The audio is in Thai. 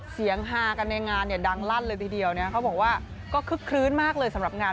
เสียงฮากันในงานดังลั่นเลยทีเดียวเขาบอกว่าก็คึกครื้นมากเลยสำหรับงาน